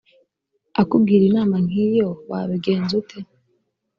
akugiriye inama nk iyo wabigenza ute